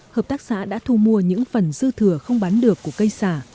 hợp tác xã đã thu mua những phần dư thừa không bán được của cây xả